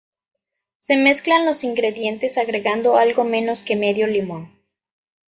Se mezclan los ingredientes agregando algo menos que medio limón.